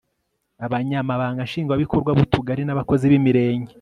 abanyamabanga nshingwabikorwa b'utugari n'abakozi b'imirenge